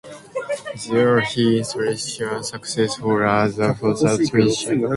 There, he established a successful career as a court musician.